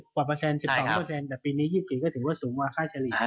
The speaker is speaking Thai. เป็นประเภท๑๐๑๒เปอร์เซ็นต์แต่ปีนี้๒๐ก็ถือว่าสูงมากข้าวเฉลี่ย